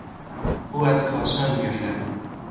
او از کاشان میآید.